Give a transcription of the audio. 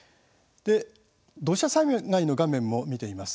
土砂災害の画面を見てみます。